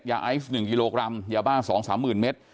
ยาไอซ์หนึ่งกิโลกรัมยาบ้าสองสามหมื่นเม็ด